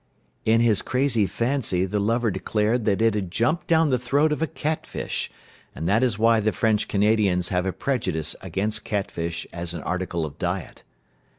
In his crazy fancy the lover declared that it had jumped down the throat of a catfish, and that is why the French Canadians have a prejudice against catfish as an article of diet.